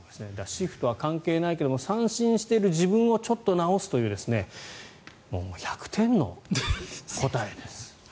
シフトは関係ないけど三振している自分をちょっと直すというもう１００点の答えです。